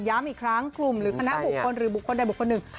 อีกครั้งกลุ่มหรือคณะบุคคลหรือบุคคลใดบุคคลหนึ่ง